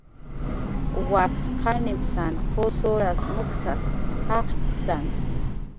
Wak qanimpsan qusuras mujsas jaqptktan